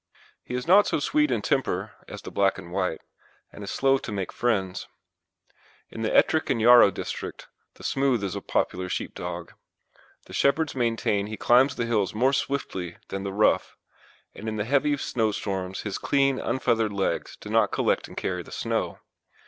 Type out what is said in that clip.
He is not so sweet in temper as the black and white, and is slow to make friends. In the Ettrick and Yarrow district the smooth is a popular sheepdog. The shepherds maintain that he climbs the hills more swiftly than the rough, and in the heavy snowstorms his clean, unfeathered legs do not collect and carry the snow.